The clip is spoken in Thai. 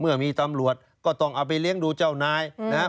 เมื่อมีตำรวจก็ต้องเอาไปเลี้ยงดูเจ้านายนะครับ